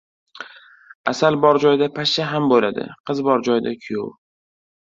• Asal bor joyda pashsha ham bo‘ladi, qiz bor joyda — kuyov.